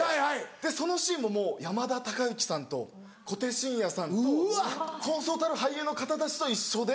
そのシーンも山田孝之さんと小手伸也さんとそうそうたる俳優の方たちと一緒で。